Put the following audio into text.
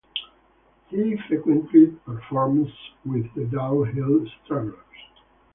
He frequently performs with the Down Hill Strugglers.